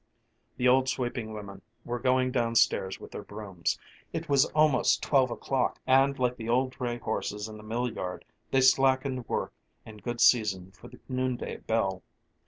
The old sweeping women were going downstairs with their brooms. It was almost twelve o'clock, and like the old dray horses in the mill yard they slackened work in good season for the noonday bell.